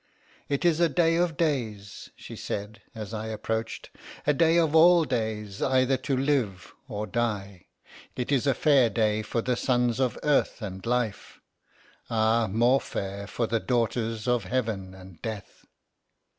"It is a day of days," she said, as I approached; "a day of all days either to live or die. It is a fair day for the sons of earth and life—ah, more fair for the daughters of heaven and death!"